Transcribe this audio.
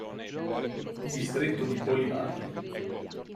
Distretto di Bolívar